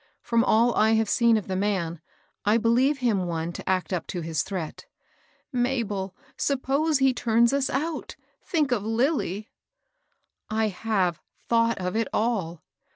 " From all I have seen of the man, I beUeve him one to act up to his threat." ^^ Mabel, suppose he turns us out t Think of Lilly 1" " I have thought of it all.